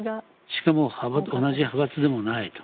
しかも同じ派閥でもないと。